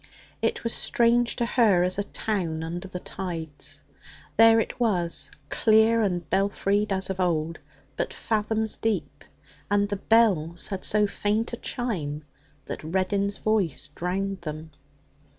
It was strange to her as a town under the tides. There it was, clear and belfried as of old, but fathoms deep, and the bells had so faint a chime that Reddin's voice drowned them.